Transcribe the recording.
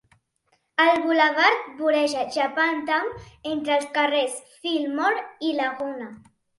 El bulevard voreja Japantown entre els carrers Fillmore i Laguna.